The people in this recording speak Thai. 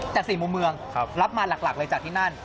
จาก๔มุมเมืองรับมาหลักเลยจากที่นั่น